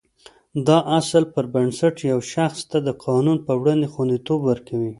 دا اصل پر بنسټ یو شخص ته د قانون په وړاندې خوندیتوب ورکوي.